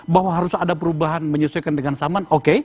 bahwa harus ada perubahan menyesuaikan dengan zaman oke